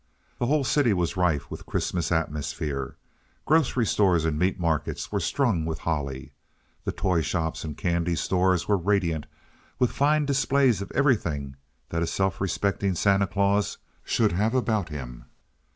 The whole city was rife with Christmas atmosphere. Grocery stores and meat markets were strung with holly. The toy shops and candy stores were radiant with fine displays of everything that a self respecting Santa Claus should have about him.